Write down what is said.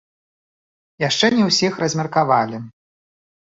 Яшчэ не ўсіх размеркавалі.